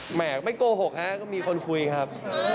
แหกไม่โกหกฮะก็มีคนคุยครับ